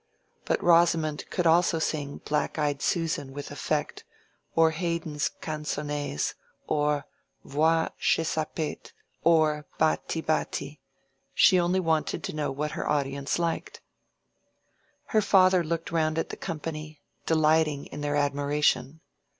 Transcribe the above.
But Rosamond could also sing "Black eyed Susan" with effect, or Haydn's canzonets, or "Voi, che sapete," or "Batti, batti"—she only wanted to know what her audience liked. Her father looked round at the company, delighting in their admiration.